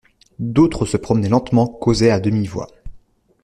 D'autres se promenaient lentement, causaient à demi-voix.